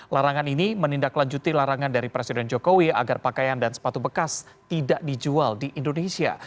larangan ini menindaklanjuti larangan dari presiden jokowi agar pakaian dan sepatu bekas tidak dijual di indonesia